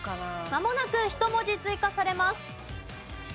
まもなく１文字追加されます。